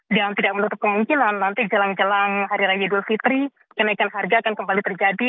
dan tidak menutup kemungkinan nanti jelang jelang hari raya dulfitri kenaikan harga akan kembali terjadi